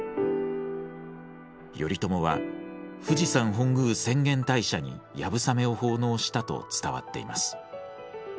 頼朝は富士山本宮浅間大社に流鏑馬を奉納したと伝わっています。